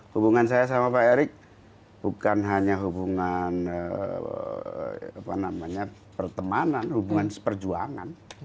hubungan saya sama pak erick bukan hanya hubungan pertemanan hubungan seperjuangan